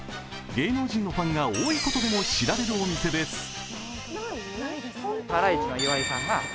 芸能人のファンが多いことでも知られるお店です。